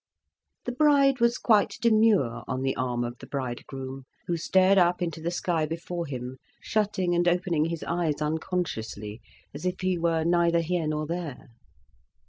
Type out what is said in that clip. The bride was quite demure on the arm of the bridegroom, who stared up into the sky before him, shutting and opening his eyes unconsciously, as if he were neither here nor there.